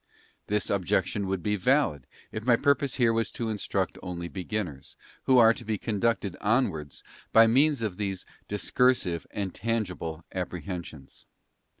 This objection would be valid, if my pur pose here was to instruct only beginners, who are to be conducted onwards by means of these discursive and tangible apprehensions.